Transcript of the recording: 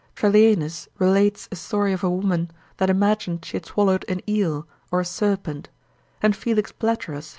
Trallianus relates a story of a woman, that imagined she had swallowed an eel, or a serpent, and Felix Platerus, observat.